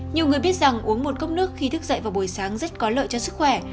nhiều người biết rằng uống một cốc nước khi thức dậy vào buổi sáng rất có lợi cho sức khỏe